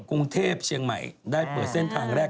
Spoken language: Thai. กรุงเทพเชียงใหม่ได้เปิดเส้นทางแรก